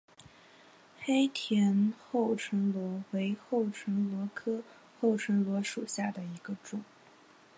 黑田厚唇螺为厚唇螺科厚唇螺属下的一个种。